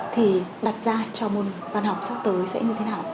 thì đặt ra cho môn văn học sắp tới sẽ như thế nào